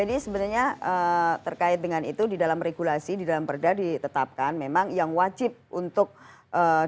sebenarnya terkait dengan itu di dalam regulasi di dalam perda ditetapkan memang yang wajib untuk dilakukan